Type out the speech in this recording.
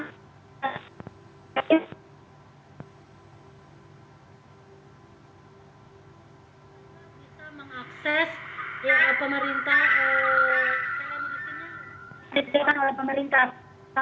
diperlukan oleh pemerintah